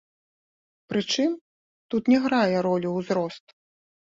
Прычым тут не грае ролю ўзрост.